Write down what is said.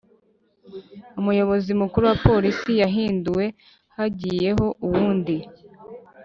Umuyobozi mukuru wa polisi yahinduwe hagiyeho uwundi